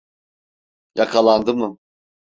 Yakalandı mı?